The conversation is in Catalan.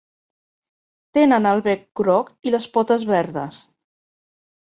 Tenen el bec grog i les potes verdes.